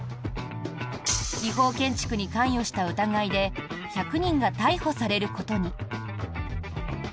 違法建築に関与した疑いで１００人が逮捕されることに。